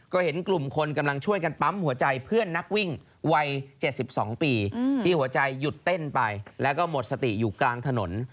ก็เห็นกลุ่มคนกำลังช่วยกันปั๊มหัวใจเพื่อนนักวิ่งวัย๗๒ปีที่หัวใจหยุดเต้นไปแล้วก็หมดสติอยู่กลางถนน